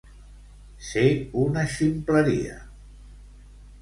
Ser una ximpleria.